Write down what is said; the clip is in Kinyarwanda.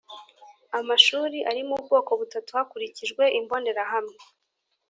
Amashuri arimo ubwoko butatu hakurikijwe imbonerahamwe